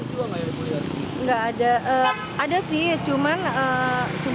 tidak ada ada sih cuma luka aja